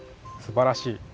すばらしい。